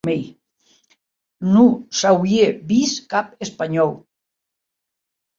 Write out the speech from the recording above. Non s'auie vist cap espanhòu.